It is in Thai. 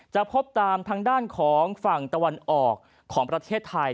จะพบตามทางด้านของฝั่งตะวันออกของประเทศไทย